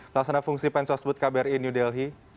laksana fungsi pensosbut kbri new delhi